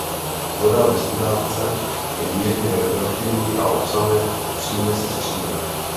Voda ve studánce je mírně radioaktivní a obsahuje příměsi stříbra.